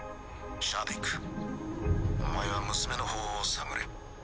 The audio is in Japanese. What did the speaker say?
シャディクお前は娘の方を探れ。